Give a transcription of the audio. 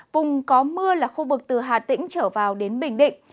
vùng có mưa là khu vực từ hà tĩnh trở vào đến bình định